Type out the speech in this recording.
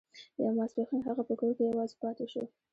يو ماسپښين هغه په کور کې يوازې پاتې شو.